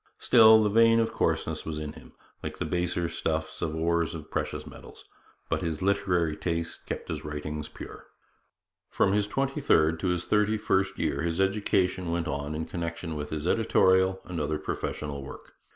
Still, the vein of coarseness was in him, like the baser stuffs in the ores of precious metals; but his literary taste kept his writings pure. From his twenty third to his thirty first year his education went on in connection with his editorial and other professional work.